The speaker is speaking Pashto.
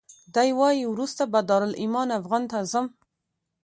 دی وایي وروسته به دارالایمان افغان ته ځم.